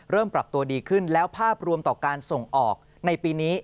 ปรับตัวดีขึ้นแล้วภาพรวมต่อการส่งออกในปีนี้